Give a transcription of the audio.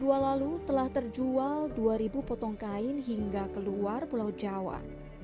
di tahun dua ribu dua puluh dua lalu telah terjual dua ribu potong kain hingga keluar pulau jawa